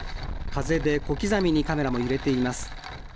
風で小刻みにカメラも揺れています。